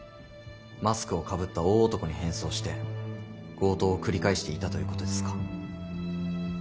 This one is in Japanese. マスクをかぶった大男に変装して強盗を繰り返していたということですか。